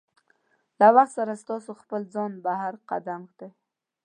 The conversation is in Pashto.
له وخت سره ستاسو خپل ځان بهر قدم ږدي.